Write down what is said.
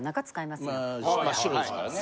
まあ真っ白ですからね。